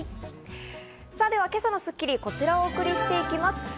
さぁでは今朝の『スッキリ』はこちらをお送りしていきます。